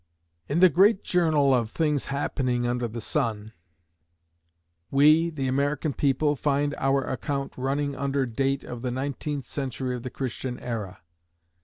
In the great journal of things happening under the sun, we, the American people, find our account running under date of the nineteenth century of the Christian era.